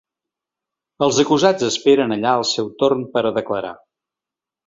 Els acusats esperen allà el seu torn per a declarar.